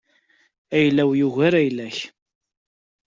Ayla-w yugar ayla-k.